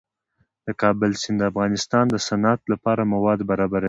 د کابل سیند د افغانستان د صنعت لپاره مواد برابروي.